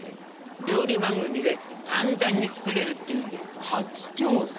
料理番組で簡単に作れるっていうんで初挑戦。